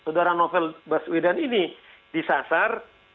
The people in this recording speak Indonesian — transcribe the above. sementara nobel baswedan ini disasar